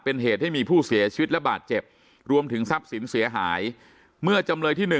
เป็นเหตุให้มีผู้เสียชีวิตและบาดเจ็บรวมถึงทรัพย์สินเสียหายเมื่อจำเลยที่๑